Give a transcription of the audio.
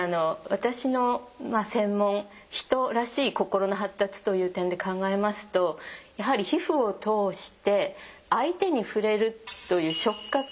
私の専門「人らしい心の発達」という点で考えますとやはり皮膚を通して相手に触れるという触覚